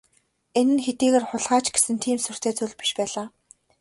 Энэ нь хэдийгээр хулгай ч гэсэн тийм сүртэй зүйл биш байлаа.